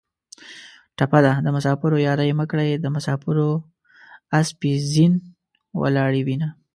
ټپه ده: د مسافرو یارۍ مه کړئ د مسافرو اسپې زین ولاړې وینه